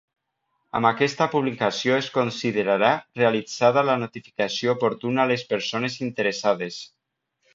Amb aquesta publicació es considerarà realitzada la notificació oportuna a les persones interessades.